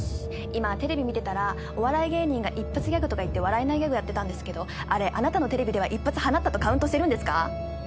今テレビ見てたらお笑い芸人が一発ギャグとか言って笑えないギャグやってたんですけどあれあなたのテレビでは一発放ったとカウントしてるんですか？